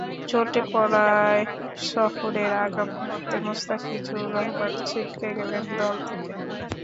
চোটে পড়ায় সফরের আগমুহূর্তে মোস্তাফিজুর রহমান ছিটকে গেছেন দল থেকে।